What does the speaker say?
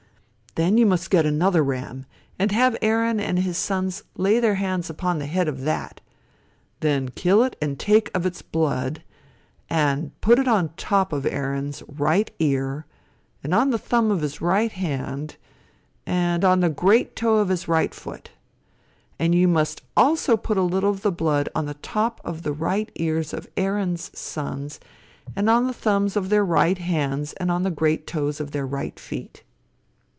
Then you must get another ram, and have Aaron and his sons lay their hands upon the head of that, then kill it and take of its blood, and put it on the top of Aaron s right ear, and on the thumb of his right hand, and on the great toe of his right foot. And you must also put a little of the blood upon the top of the right ears of Aaron's sons, and on the thumbs of their right hands and on the great toes of their right feet.